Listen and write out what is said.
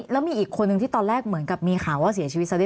แล้วมีอีกคนนึงที่ตอนแรกเหมือนกับมีข่าวว่าเสียชีวิตซะด้วย